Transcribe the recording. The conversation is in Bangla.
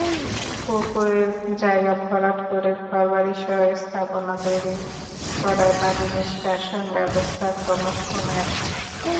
পুকুরের জায়গা ভরাট করে ঘরবাড়িসহ স্থাপনা তৈরি করায় পানিনিষ্কাশন-ব্যবস্থা ক্রমশ কমে আসছে।